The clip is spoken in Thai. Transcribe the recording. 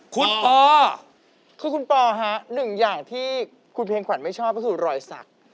คุณปอคือคุณปอฮะหนึ่งอย่างที่คุณเพลงขวัญไม่ชอบก็คือรอยสัก